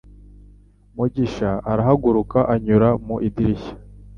Mugisha arahaguruka, anyura mu idirishya